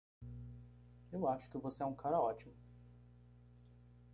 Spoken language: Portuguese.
Eu acho que você é um cara ótimo.